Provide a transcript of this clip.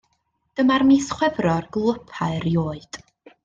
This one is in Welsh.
Dyma'r mis Chwefror gwlypa erioed.